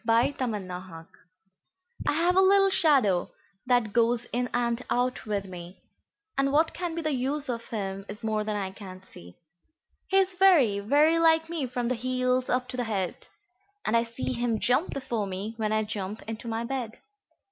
XVIIIMy Shadow I have a little shadow that goes in and out with me, And what can be the use of him is more than I can see. He is very, very like me from the heels up to the head; And I see him jump before me, when I jump into my bed.